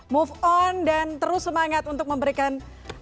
move on dan terus semangat untuk memberikan